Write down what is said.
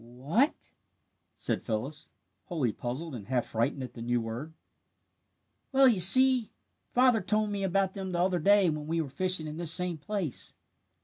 "Wh a a t ?" said Phyllis, wholly puzzled and half frightened at the new word. "Well, you see father told me about them the other day when we were fishing in this same place.